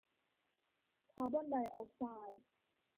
คาร์บอนไดออกไซด์